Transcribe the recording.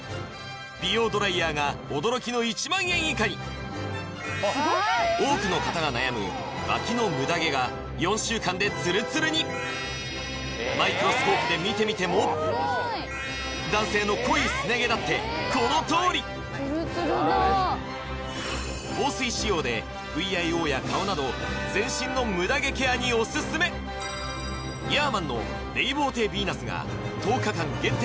美容ドライヤーが驚きの１万円以下に多くの方が悩む脇のムダ毛が４週間でツルツルにマイクロスコープで見てみても男性の濃いすね毛だってこのとおりツルツルだ防水仕様でＶＩＯや顔など全身のムダ毛ケアにオススメヤーマンのレイボーテヴィーナスが１０日間限定